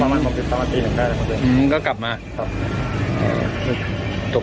สามารถผมคือสามารถกินเห็นได้นะคุณเตือนอืมก็กลับมาโทฬโทษค่ะ